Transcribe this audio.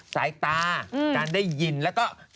สายตาการได้ยินแล้วก็